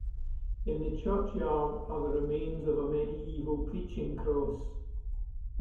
In the churchyard are the remains of a medieval preaching cross.